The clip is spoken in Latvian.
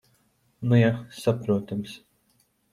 Nu ja. Saprotams.